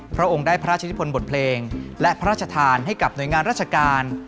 พระองค์ได้พระราชนิพลบทเพลงและพระราชทานให้กับหน่วยงานราชการ